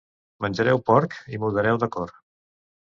Menjareu porc i mudareu d'acord.